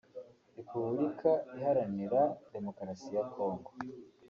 Repubulika Iharanira Demokarasi ya Kongo